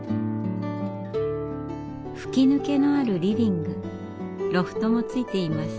吹き抜けのあるリビングロフトもついています。